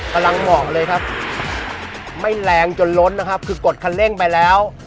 เหมาะเลยครับไม่แรงจนล้นนะครับคือกดคันเร่งไปแล้ว